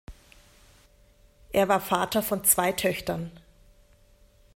Er war Vater von zwei Töchtern.